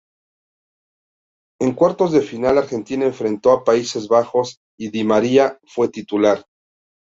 En cuartos de final Argentina enfrentó a Países Bajos y Di María fue titular.